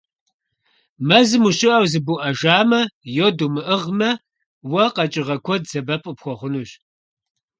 Мэзым ущыӀэу зыбуӀэжамэ, йод умыӀыгъмэ, уэ къэкӀыгъэ куэд сэбэп къыпхуэхъунущ.